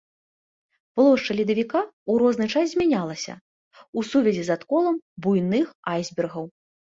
Плошча ледавіка, у розны час змянялася, у сувязі з адколам буйных айсбергаў.